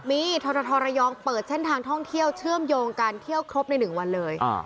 มีทรทระยองเปิดเส้นทางท่องเที่ยวเชื่อมโยงการเที่ยวครบใน๑วันเลย